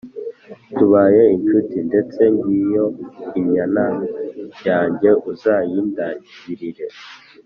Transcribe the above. tubaye inshuti, ndetse ngiyo n’inyana yange uzayindagirire